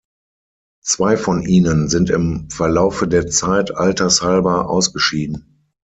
Zwei von ihnen sind im Verlaufe der Zeit altershalber ausgeschieden.